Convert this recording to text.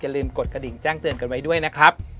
ลืมกดกระดิ่งแจ้งเตือนกันไว้ด้วยนะครับ